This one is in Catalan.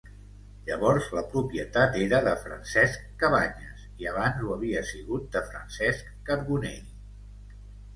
Llavors, la propietat era de Francesc Cabanyes, i abans ho havia sigut de Francesc Carbonell.